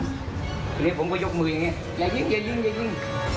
ทีนี้ผมก็ยกมืออย่างนี้อย่ายิงอย่ายิงอย่ายิง